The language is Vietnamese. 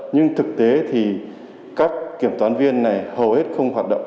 nhưng thực tế thì các kiểm toán viên này hầu hết không hoạt động